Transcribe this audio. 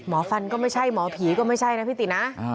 ฟันก็ไม่ใช่หมอผีก็ไม่ใช่นะพี่ตินะ